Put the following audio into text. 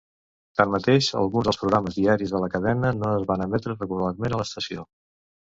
Tanmateix, alguns dels programes diaris de la cadena no es van emetre regularment a l'estació.